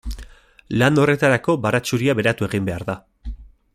Lan horretarako baratxuria beratu egin behar da.